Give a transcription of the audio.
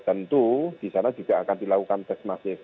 tentu di sana juga akan dilakukan tes masif